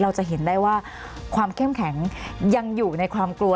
เราจะเห็นได้ว่าความเข้มแข็งยังอยู่ในความกลัว